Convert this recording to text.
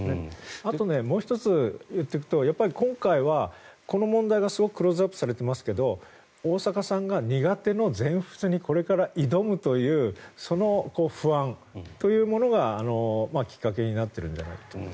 あと、もう１つ言っておくと今回はこの問題がすごくクローズアップされていますけれど大坂さんが苦手の全仏にこれから挑むというその不安というものがきっかけになっているんじゃないかと思うんです。